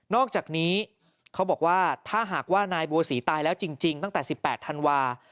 อกจากนี้เขาบอกว่าถ้าหากว่านายบัวศรีตายแล้วจริงตั้งแต่๑๘ธันวา